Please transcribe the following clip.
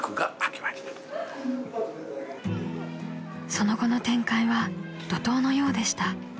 ［その後の展開は怒濤のようでした］